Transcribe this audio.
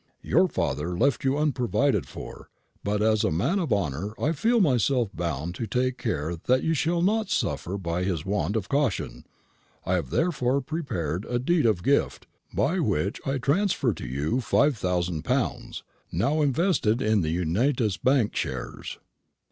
"Your father left you unprovided for; but as a man of honour I feel myself bound to take care that you shall not suffer by his want of caution. I have therefore prepared a deed of gift, by which I transfer to you five thousand pounds, now invested in Unitas Bank shares."